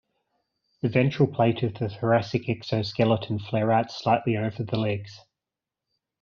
The ventral plate of the thoracic exoskeleton flare out slightly over the legs.